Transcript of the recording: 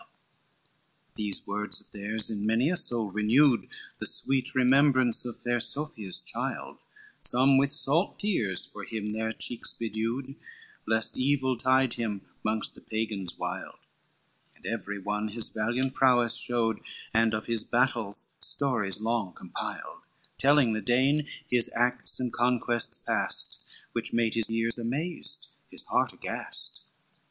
XLVI These words of theirs in many a soul renewed The sweet remembrance of fair Sophia's child, Some with salt tears for him their cheeks bedewed, Lest evil betide him mongst the Pagans wild, And every one his valiant prowess showed, And of his battles stories long compiled, Telling the Dane his acts and conquests past, Which made his ears amazed, his heart aghast.